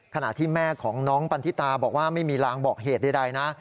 ขณะที่แม่ของน้องปันทิตาบอกว่าไม่มีรางบอกเหตุใดนะ